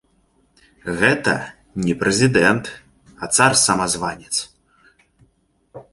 Гэта не прэзідэнт, а цар-самазванец!